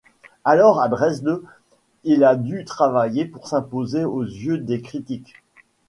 Alors à Dresde, il a dû travailler pour s'imposer aux yeux des critiques.